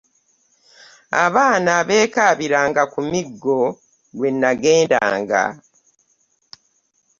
Abaana beekabiranga ku miggo lwe nagendanga.